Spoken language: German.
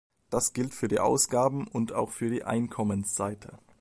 Das gilt für die Ausgaben- und auch für die Einkommenseite.